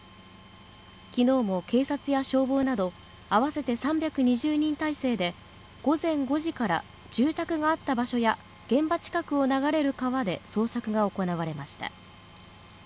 昨日も警察や消防など合わせて３２０人態勢で午前５時から住宅があった場所や現場近くを流れる川で捜索が行われました。